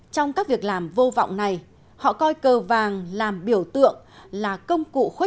trong các việc làm vô vọng này họ coi cơ vàng làm biểu tượng là công cụ